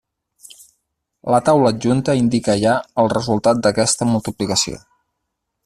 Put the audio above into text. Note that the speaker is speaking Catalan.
La taula adjunta indica ja el resultat d'aquesta multiplicació.